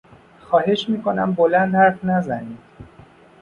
خواهش میکنم بلند حرف نزنید!